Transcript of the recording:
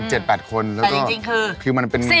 แต่จริงคือ๑๐